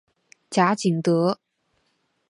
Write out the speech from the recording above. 贾景德。